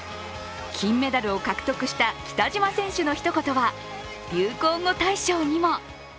金メダルを獲得した北島選手のひと言は流行語大賞にも。